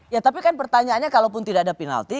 ya tapi kan pertanyaannya kalaupun tidak ada penalti